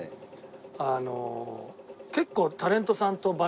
あの結構。